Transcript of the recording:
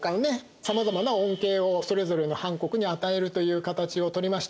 さまざまな恩恵をそれぞれのハン国に与えるという形をとりました。